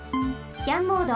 スキャンモード。